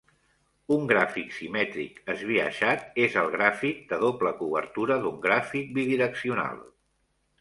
Un gràfic simètric esbiaixat és el gràfic de doble cobertura d'un gràfic bidireccional.